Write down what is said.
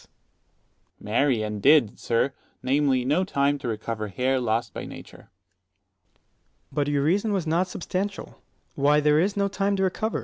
100 Dro. S. Marry, and did, sir; namely, no time to recover hair lost by nature. Ant. S. But your reason was not substantial, why there is no time to recover.